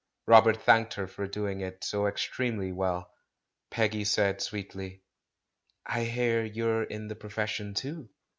Robert thanked her for doing it so extremely well. Peggy said sweetly, "I hear you're in the profession too?"